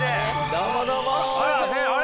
どうもどうも。